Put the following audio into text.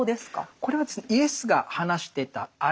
これはですねイエスが話してたアラム語。